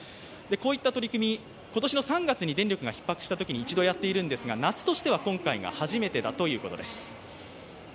こういった取り組み、今年の３月に電力がひっ迫したときに一度やっているんですが夏としては今回が初めてだということです。